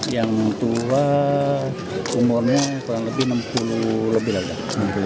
yang tua umurnya kurang lebih enam puluh lebih lah dah